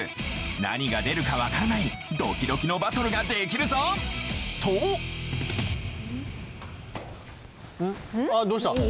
何が出るかわからないドキドキのバトルができるぞ。とどうした？